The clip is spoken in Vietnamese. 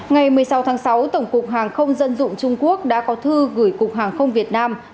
ngày một mươi sáu tháng sáu tổng cục hàng không dân dụng trung quốc đã có thư gửi cục hàng không việt nam